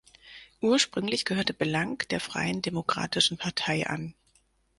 Ursprünglich gehörte Blank der Freien Demokratischen Partei an.